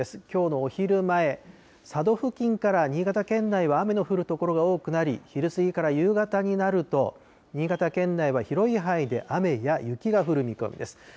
きょうのお昼前、佐渡付近から新潟県内は雨の降る所が多くなり、昼過ぎから夕方になると、新潟県内は広い範囲で雨や雪が降る見込みです。